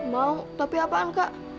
mau tapi apaan kak